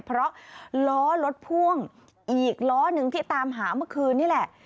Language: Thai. เพราะล้อรถพ่วงอีกล้อหนึ่งที่ตามหาเมื่อคืนนี่แหละ